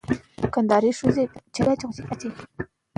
شکسپیر د نړۍ لپاره شاعر دی.